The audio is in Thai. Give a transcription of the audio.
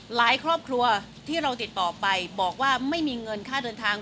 หลายครอบครัวที่เราติดต่อไปบอกว่าไม่มีเงินค่าเดินทาง